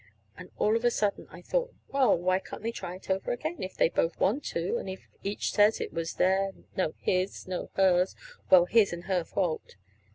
And all of a sudden I thought, well, why can't they try it over again, if they both want to, and if each says it, was their no, his, no, hers well, his and her fault.